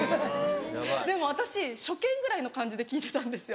でも私初見ぐらいの感じで聞いてたんですよ。